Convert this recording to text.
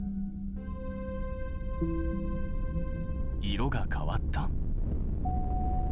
色が変わった？